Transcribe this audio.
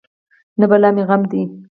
نه بلا مې غم ده.